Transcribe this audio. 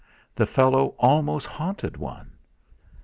The fellow almost haunted one!